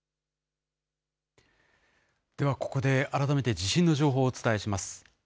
ではここで改めて地震の情報をお伝えします。